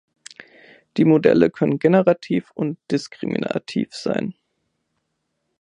Die Modelle können generativ und diskriminativ sein.